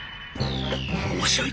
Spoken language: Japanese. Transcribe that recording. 面白い。